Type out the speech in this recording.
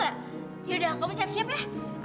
yaudah kamu siap siap ya